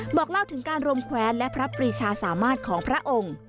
บอกเล่าถึงการรวมแคว้นและพระปรีชาสามารถของพระองค์